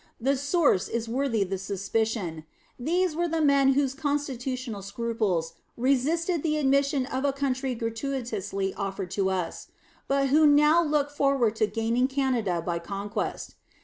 The source is worthy the suspicion. These were the men whose constitutional scruples resisted the admission of a country gratuitously offered to us, but who now look forward to gaining Canada by conquest.